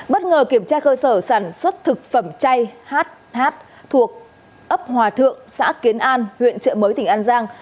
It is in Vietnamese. bất ngờ kiểm tra cơ sở sản xuất thực phẩm chay hh thuộc ấp hòa thượng xã kiến an huyện trợ mới tỉnh an giang